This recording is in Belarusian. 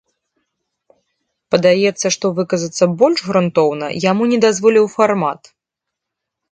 Падаецца, што выказацца больш грунтоўна яму не дазволіў фармат.